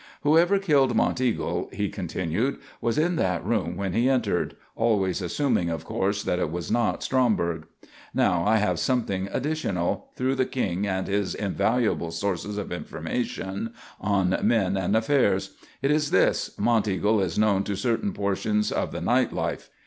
"Whoever killed Monteagle," he continued, "was in that room when he entered always assuming, of course, that it was not Stromberg. "Now I have something additional, through the King and his invaluable sources of information on men and affairs. It is this: Monteagle is known to certain portions of the night life.